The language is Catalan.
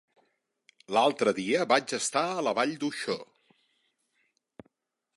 L'altre dia vaig estar a la Vall d'Uixó.